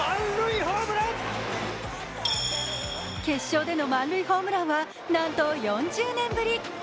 決勝での満塁ホームランは、なんと４０年ぶり。